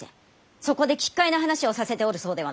そこで奇怪な話をさせておるそうではないか！